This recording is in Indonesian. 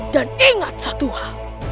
dan ingat satu hal